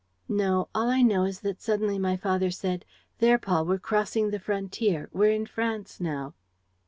"No, all I know is that suddenly my father said: 'There, Paul, we're crossing the frontier; we're in France now.'